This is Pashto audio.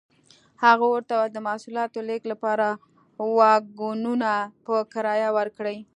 هغه ورته وویل د محصولاتو لېږد لپاره واګونونه په کرایه ورکړي.